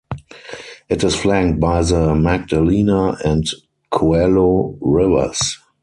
It is flanked by the Magdalena and Coello rivers.